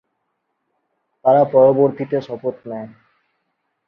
তারা পরবর্তীতে শপথ নেয়।